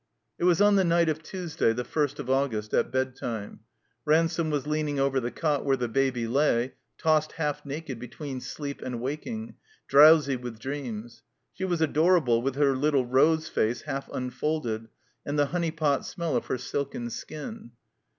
It was on the night of Tuesday, the first of August, at bedtime. Ransome was leaning over the cot where the Baby lay, tossed half naked between sleep and waking, drowsy with dreams. She was ador able with her Little Rose face half unfolded, and the Honeypot smell of her silken skin.